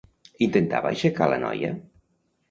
Intentava aixecar la noia?